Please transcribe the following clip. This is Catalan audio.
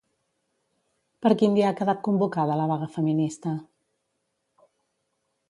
Per quin dia ha quedat convocada la vaga feminista?